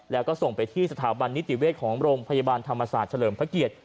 แล้วก็ส่งไปที่สถาบันนิติเวชของโรงพยาบาลธรรมศาสตร์เฉลิมพระเกียรติ